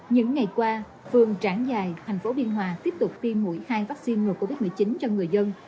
những ngày qua phường trảng giài tp biên hòa tiếp tục tiêm mũi hai vaccine ngừa covid một mươi chín cho người dân